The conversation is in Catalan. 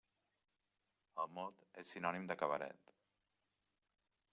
El mot és sinònim de cabaret.